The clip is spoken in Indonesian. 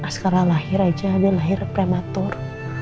sekarang lahir aja dia lahir prematur